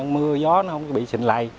mưa gió nó không bị xình lầy